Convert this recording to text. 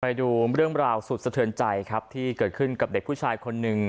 ไปดูเรื่องราวสุดสะเทือนใจครับที่เกิดขึ้นกับเด็กผู้ชายคนหนึ่ง